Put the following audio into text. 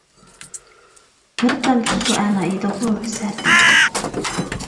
بىر تامچە سۇ ئەلا ئىدىغۇ زەردىن.